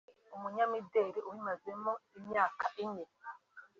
ni umunyamideli ubimazemo imyaka ine